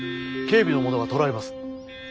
警備の者が捕らえます。